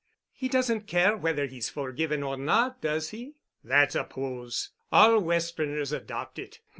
"He doesn't care whether he's forgiven or not, does he?" "That's a pose. All Westerners adopt it.